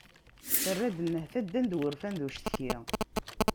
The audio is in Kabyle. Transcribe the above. Terra-d nnehta ddan-d wurfan d ucetki.